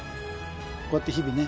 こうやって日々ね